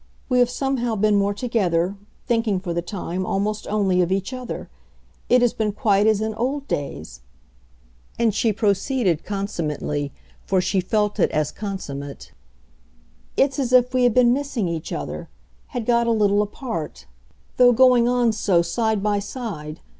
We have somehow been more together thinking, for the time, almost only of each other; it has been quite as in old days." And she proceeded consummately, for she felt it as consummate: "It's as if we had been missing each other, had got a little apart though going on so side by side.